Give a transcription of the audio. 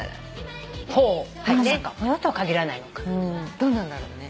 どうなんだろうね。